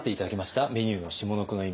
メニューの下の句の意味。